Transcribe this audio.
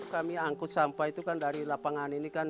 kami angkut sampah itu kan dari lapangan ini kan